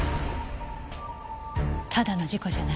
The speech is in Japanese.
ただの事故じゃない。